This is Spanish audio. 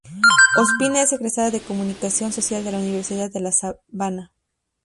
Ospina es egresada de Comunicación Social de la Universidad de la Sabana.